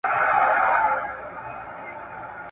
مشرتابه سالم کلتور جوړوي.